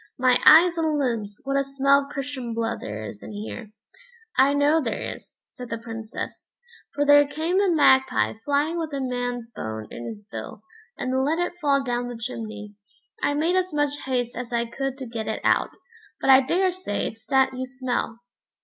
"My eyes and limbs, what a smell of Christian blood there is in here," said he. "I know there is," said the Princess, "for there came a magpie flying with a man's bone in his bill, and let it fall down the chimney. I made as much haste as I could to get it out, but I daresay it's that you smell."